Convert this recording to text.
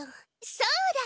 そうだ